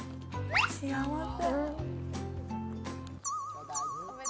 幸せ。